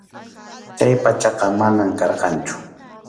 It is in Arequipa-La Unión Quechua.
Chay pachaqa manam karqanchu.